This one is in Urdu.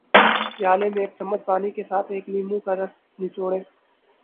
پیالے میں ایک چمچ پانی کے ساتھ ایک لیموں کا رس نچوڑیں